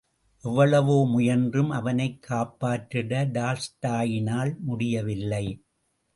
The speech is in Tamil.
எவ்வளவோ முயன்றும் அவனைக் காப்பாற்றிட டால்ஸ்டாயினால் முடியவில்லை.